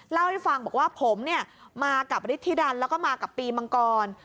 เล่าให้ฟังบอกว่าผมเนี่ยมากับฤทธิดันแล้วก็มากับปีมังกร